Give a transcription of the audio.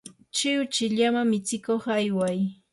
chiwchi llama mitsikuq ayway.